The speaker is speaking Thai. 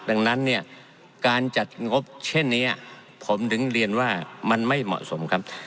ดังนั้นเนี่ยการจัดงบเช่นนี้ผมถึงเรียนว่ามันไม่เหมาะสมครับ